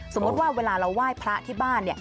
สมมุติว่าเวลาเราไหว้พระที่บ้านเนี่ย